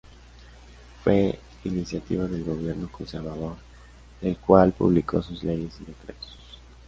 Fue iniciativa del gobierno conservador, del cual publicó sus leyes y decretos.